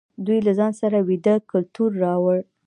دوی له ځان سره ویدي کلتور راوړ.